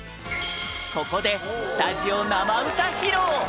ここで、スタジオ生歌披露！